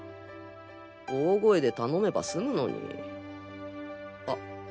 大声で頼めば済むのにあ！